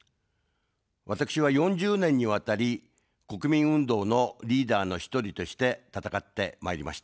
私は４０年にわたり、国民運動のリーダーの１人として戦ってまいりました。